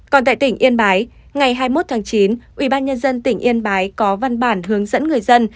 còn tại tỉnh yên bái ngày hai mươi một tháng chín ubnd tỉnh yên bái có văn bản hướng dẫn người dân